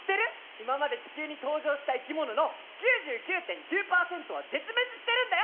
今まで地球に登場したいきものの９９．９％は絶滅してるんだよ。